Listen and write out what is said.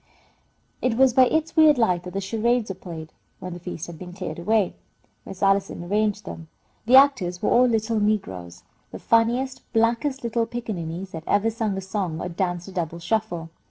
It was by its weird light that the charades were played, when the feast had been cleared away. Miss Allison arranged them. The actors were all little negroes, the funniest, blackest little pickaninnies that ever sung a song or danced a double shuffle.